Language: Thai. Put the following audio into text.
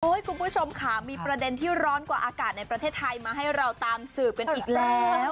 คุณผู้ชมค่ะมีประเด็นที่ร้อนกว่าอากาศในประเทศไทยมาให้เราตามสืบกันอีกแล้ว